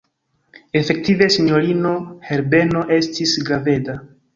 Efektive sinjorino Herbeno estis graveda.